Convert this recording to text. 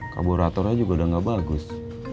kaburatornya juga udah nggak bagus